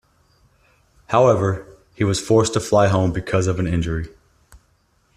However, he was forced to fly home because of an injury.